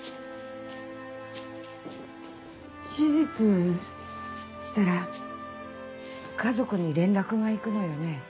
手術したら家族に連絡がいくのよね？